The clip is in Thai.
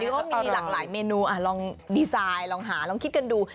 เขามีหลากหลายเมนูลองดีไซน์ลองหาลองคิดกันดู